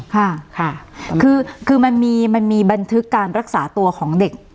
ค่ะค่ะคือมันมีบันทึกการรักษาตัวของเด็ก